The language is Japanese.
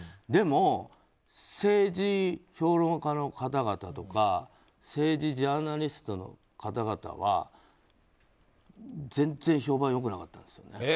でも、政治評論家の方々とか政治ジャーナリストの方々は全然評判良くなかったんですよね。